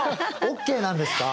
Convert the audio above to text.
ＯＫなんですか！